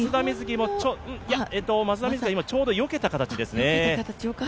松田瑞生はちょうど今、よけた形ですね。